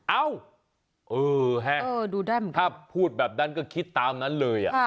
เอ้าเออถ้าพูดแบบนั้นก็คิดตามนั้นเลย